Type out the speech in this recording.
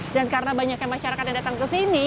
dan karena banyaknya masyarakat yang datang ke sini